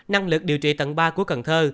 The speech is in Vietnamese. năng lực điều trị tầng ba của cần thơ